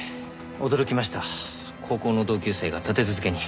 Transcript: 驚きました高校の同級生が立て続けに。